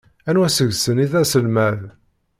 Anwa seg-wen i d aselmad.